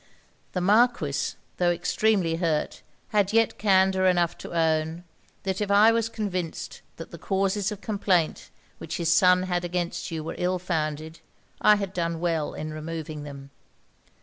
'The Marquis, tho' extremely hurt, had yet candour enough to own, that if I was convinced that the causes of complaint which his son had against you were ill founded, I had done well in removing them.